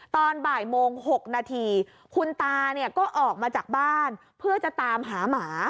ตอนบ่ายโมง๖นาทีคุณตาเนี่ยก็ออกมาจากบ้านเพื่อจะตามหาหมา